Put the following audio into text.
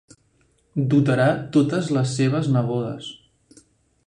Dotarà totes les seves nebodes.